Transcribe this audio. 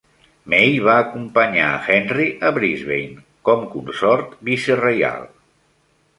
May va acompanyar a Henry a Brisbane, com consort vicereial.